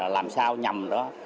làm sao nhầm đó